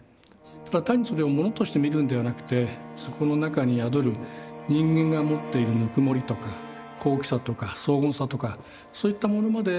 ただ単にそれをモノとして見るんではなくてそこの中に宿る人間が持っているぬくもりとか高貴さとか荘厳さとかそういったものまで